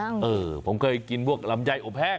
เออคนนี้ผมเคยกินพวกกลำไยโอ้เคร่ง